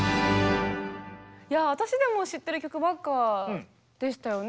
いや私でも知ってる曲ばっかでしたよね。